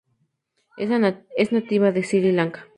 Es nativa de Sri Lanka.